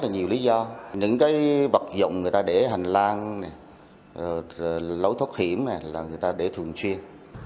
những vật dụng người ta để hành lang lấu thốt hiểm là người ta để thường chuyên